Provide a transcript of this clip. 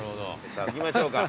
さぁ行きましょうか。